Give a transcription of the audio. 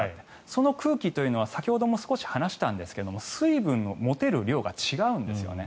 その空気というのは先ほども少し話したんですが水分を持てる量が違うんですね。